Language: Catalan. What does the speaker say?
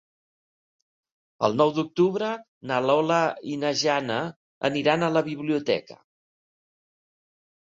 El nou d'octubre na Lola i na Jana aniran a la biblioteca.